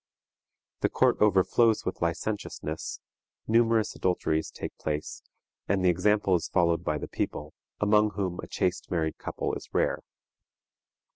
The court overflows with licentiousness, numerous adulteries take place, and the example is followed by the people, among whom a chaste married couple is rare.